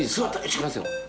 いきますよ